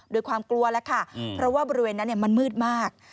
โดยความกลัวแล้วค่ะเพราะว่าบริเวณนั้นมันมืดมาก